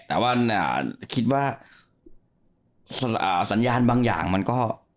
แต่ว่าคิดว่าสัญญาณบางอย่างมันก็